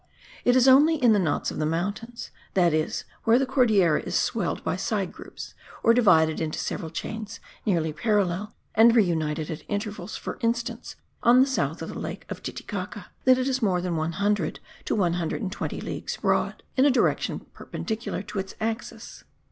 It is only in the knots of the mountains, that is where the Cordillera is swelled by side groups or divided into several chains nearly parallel, and reuniting at intervals, for instance, on the south of the lake of Titicaca, that it is more than 100 to 120 leagues broad, in a direction perpendicular to its axis.